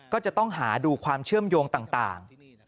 ก็จะต้องหาดูความเชื่อมโยงต่าง